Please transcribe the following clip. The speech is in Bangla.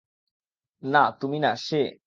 না তুমি, না সে!